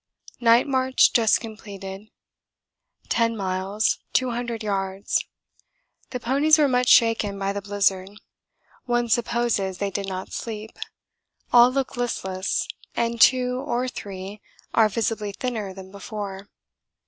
Night march just completed. 10 miles, 200 yards. The ponies were much shaken by the blizzard. One supposes they did not sleep all look listless and two or three are visibly thinner than before.